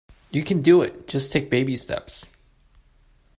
You can do it. Just take baby steps.